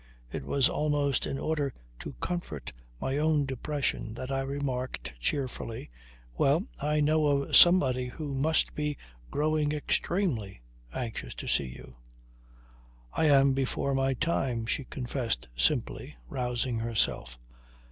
It was almost in order to comfort my own depression that I remarked cheerfully: "Well, I know of somebody who must be growing extremely anxious to see you." "I am before my time," she confessed simply, rousing herself.